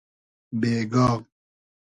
بېگا